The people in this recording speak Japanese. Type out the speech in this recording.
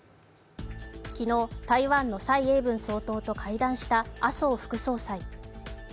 昨日、台湾の蔡英文総統と会談した麻生副総裁。